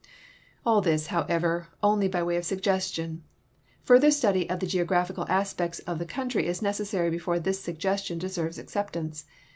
All this, however, only by way of suggestion. Further study of the geographical aspects of the country is necessary before this sugge.stion deserves acceptance.